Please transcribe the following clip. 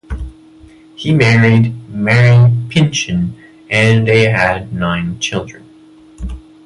He married Mary Pynchon and they had nine children.